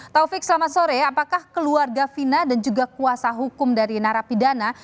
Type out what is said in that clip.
taufik selamat sore apakah keluarga fina dan juga kuasa hukum dari narapidana